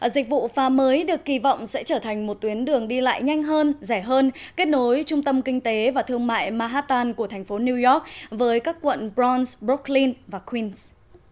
dịch vụ pha mới được kỳ vọng sẽ trở thành một tuyến đường đi lại nhanh hơn rẻ hơn kết nối trung tâm kinh tế và thương mại mahatan của thành phố new york với các quận bront brocklin và queens